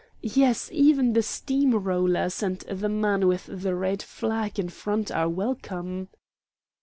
Yes, even the steam rollers and the man with the red flag in front are welcome."